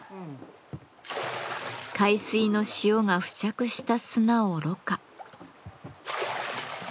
海水の塩が付着した砂をろ過。